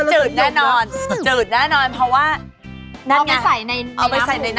เดี๋ยวทกชิมเลยนะครับ